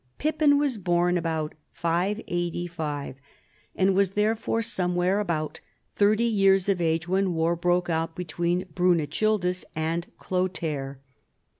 Pippin was born about 585, and was therefore some where about thirty years of age when war broke out between Brunechildis and Chlothair.